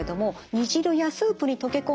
煮汁やスープに溶け込んだ